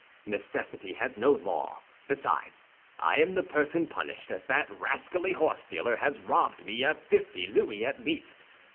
Necessity has no law; besides, I am the person punished, as that rascally horsedealer has robbed me of fifty louis, at least.